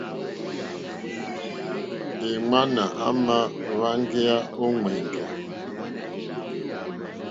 Èŋwánà àmà wáŋgéyà ó ŋwɛ̀ŋgɛ̀.